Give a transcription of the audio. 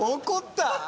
怒った。